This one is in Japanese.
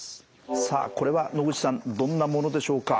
さあこれは野口さんどんなものでしょうか？